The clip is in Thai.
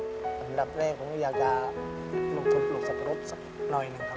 สำหรับแรกผมอยากจะลุกสัตว์รถสักหน่อยนึงครับ